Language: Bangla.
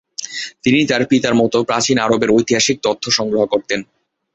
তিনি তার পিতার মত প্রাচীন আরবের ঐতিহাসিক তথ্য সংগ্রহ করতেন।